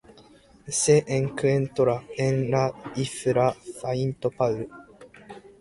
Se encuentra en la Isla Saint Paul.